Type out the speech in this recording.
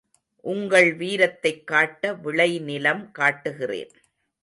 உங்கள் வீரத்தைக் காட்ட விளை நிலம் காட்டுகிறேன்.